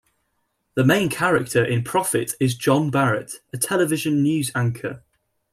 The main character in "Prophet" is John Barrett, a television news anchor.